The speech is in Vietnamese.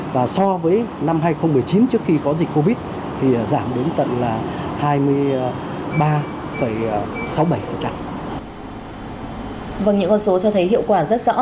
và so với năm hai nghìn một mươi chín trước khi có dịch covid thì giảm đến tận là hai mươi ba sáu mươi bảy